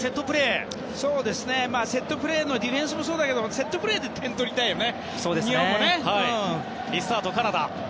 ディフェンスもそうだけどセットプレーで点を取りたいよね。